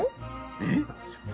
えっ？